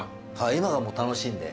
今がもう楽しいんで。